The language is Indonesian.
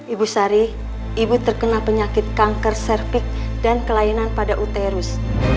ibu sari ibu terkena penyakit kanker cervix dan kelainan pada uterus